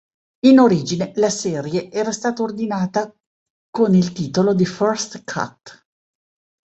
In origine, la serie era stata ordinata con il titolo di "First Cut".